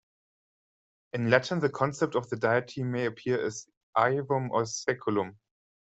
In Latin the concept of the deity may appear as "Aevum" or "Saeculum".